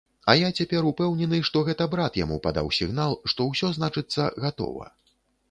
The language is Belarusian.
А я цяпер упэўнены, што гэта брат яму падаў сігнал, што ўсё, значыцца, гатова.